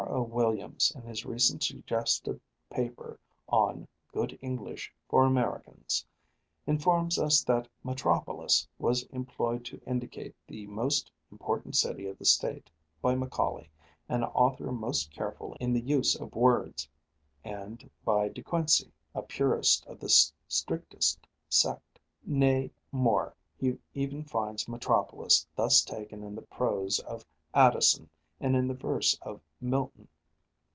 O. Williams, in his recent suggestive paper on "Good English for Americans," informs us that metropolis was employed to indicate the most important city of the State by Macaulay, an author most careful in the use of words, and by De Quincey, a purist of the strictest sect. Nay, more, he even finds metropolis thus taken in the prose of Addison and in the verse of Milton.